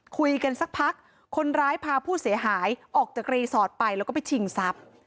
คุยกันสักพักคนร้ายพาผู้เสียหายออกจากรีสอร์ทไปแล้วก็ไปชิงทรัพย์